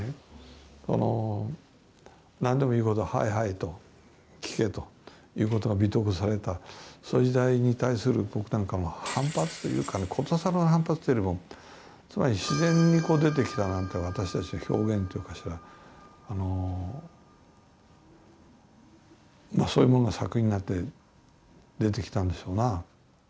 「何でも言う事をはいはいと聞け」という事が美徳とされたそういう時代に対する反発というか殊更の反発というよりつまり自然に出てきた私たちの表現というのかしらそういうものが作品になって出てきたんでしょうな。